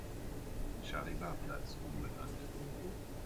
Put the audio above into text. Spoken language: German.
Schahriwar-Platz" umbenannt.